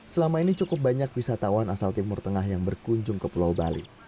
selama ini cukup banyak wisatawan asal timur tengah yang berkunjung ke pulau bali